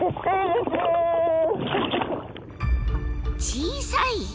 小さい？